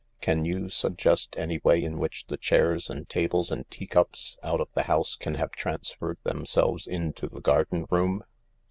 " Can you suggest any way in which the chairs and 124 THE LARK tables and teacups out of the house can have transferred themselves into the garden room